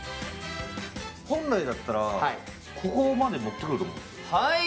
本来だったたらここまで持ってくると思う。